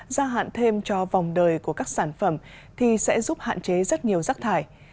gia hạn thêm cho vòng đời của các sản phẩm thì sẽ giúp hạn chế rất nhiều rác thải